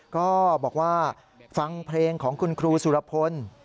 ก็บอกว่าฟังเพลงของคุณครูสุรพล